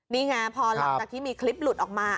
นี่ไงพอหลังจากที่มีคลิปหลุดออกมา